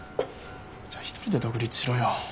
じゃあ一人で独立しろよ。